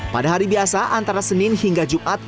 pada hari biasa antara senin hingga jumat